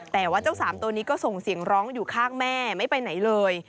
แต่ว่าเจ้าสามตัวนี้ก็ส่งเสียงร้องอยู่ข้างแม่ไม่ไปไหนเลย